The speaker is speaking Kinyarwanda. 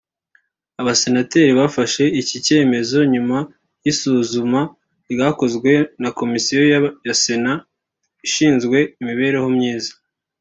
Abasenateri bafashe iki cyemezo nyuma y’isuzuma ryakozwe na Komisiyo ya Sena ishinzwe imibereho myiza